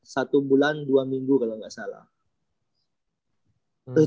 satu bulan dua minggu kalau nggak salah